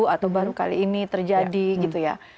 atau baru kali ini terjadi gitu ya